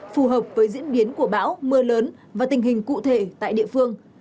phù hợp với diễn biến của bão mưa lớn và tình hình cụ thể tại địa phương